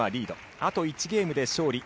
あと１ゲームで勝利。